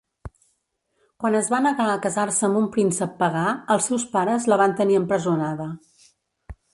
Quan es va negar a casar-se amb un príncep pagà, els seus pares la van tenir empresonada.